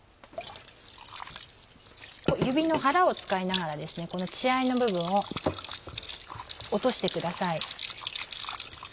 指の腹を使いながらこの血合いの部分を落としてください。